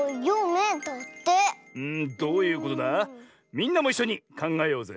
みんなもいっしょにかんがえようぜ。